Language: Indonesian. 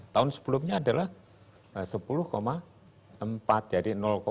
tahun sebelumnya adalah sepuluh empat jadi